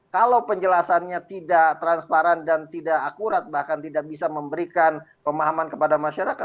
kalau penjelasannya tidak transparan dan tidak akurat bahkan tidak bisa memberikan pemahaman kepada masyarakat